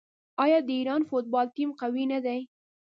آیا د ایران فوټبال ټیم قوي نه دی؟